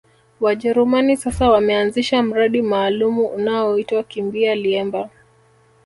Wajerumani sasa wameanzisha mradi maalumu unaoitwa kimbia liemba